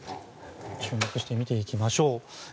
注目して見ていきましょう。